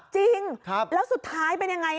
จริงแล้วสุดท้ายเป็นยังไง